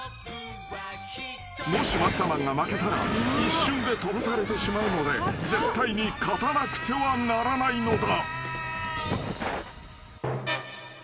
［もしマッサマンが負けたら一瞬でとばされてしまうので絶対に勝たなくてはならないのだ］